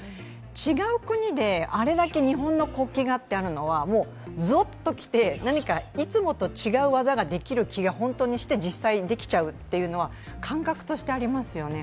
違う国であれだけ日本の国旗があるのはもうぞっときて、何かいつもと違う技ができる気がして実際できちゃうというのは、感覚としてありますよね。